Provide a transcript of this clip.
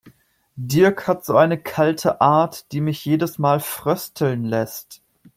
Dirk hat so eine kalte Art, die mich jedes Mal frösteln lässt.